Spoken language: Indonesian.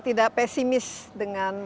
tidak pesimis dengan